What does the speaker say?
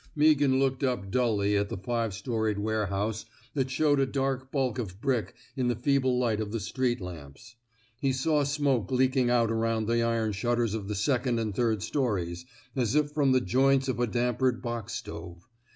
Meaghan looked up dully at the five storied warehouse that showed a dark bulk of brick in the feeble light of the street lamps. He saw smoke leaking out around the iron shut ters of the second and third stories, as if from the joints of a dampered box stove.